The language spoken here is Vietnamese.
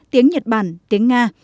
tiếng nhật bản tiếng nga